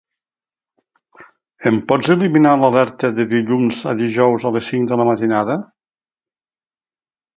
Em pots eliminar l'alerta de dilluns a dijous a les cinc de la matinada?